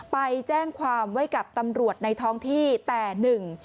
ไปแจ้งความไว้กับตำรวจในท้องที่แต่หนึ่ง